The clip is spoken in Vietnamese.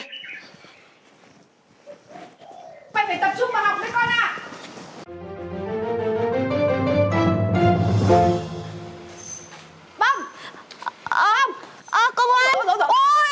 mẹ phải tập trung mà học với con ạ